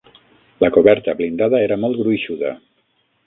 La coberta blindada era molt gruixuda.